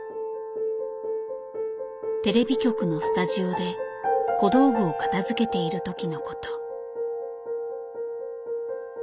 テレビ局のスタジオで小道具を片づけている時のこと。